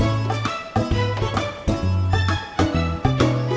getar gua terus sama sama